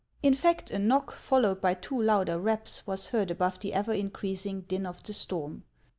In fact, a knock, followed by two louder raps, was heard above the ever increasing din of the storm.